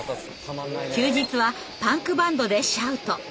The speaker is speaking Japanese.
休日はパンクバンドでシャウト。